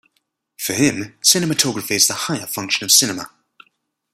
For him, cinematography is the higher function of cinema.